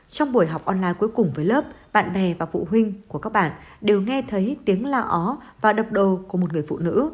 trong buổi học online cuối cùng với lớp bạn bè và phụ huynh của các bạn đều nghe thấy tiếng la ó và đập đồ của một người phụ nữ